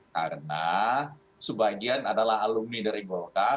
karena sebagian adalah alumni dari golkar